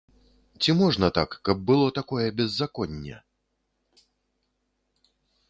Ці можна так, каб было такое беззаконне?